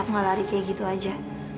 masak malari kayak gitu aja